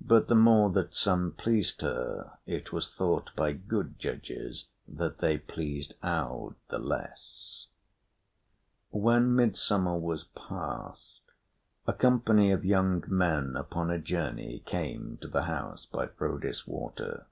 But the more that some pleased her, it was thought by good judges that they pleased Aud the less. When midsummer was past, a company of young men upon a journey came to the house by Frodis Water.